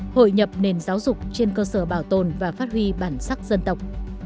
hội nhập nền giáo dục trên cơ sở bảo tồn và phát huy bản sắc dân tộc